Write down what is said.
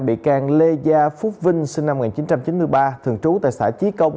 bị can lê gia phúc vinh sinh năm một nghìn chín trăm chín mươi ba thường trú tại xã chí công